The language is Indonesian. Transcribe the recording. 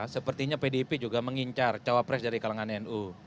sepertinya pdip juga mengincar cawa pres dari kalangan nu